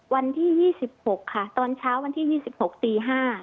วันที่๒๖ค่ะตอนเช้าวันที่๒๖ตี๕